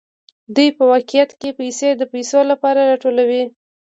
دوی په واقعیت کې پیسې د پیسو لپاره راټولوي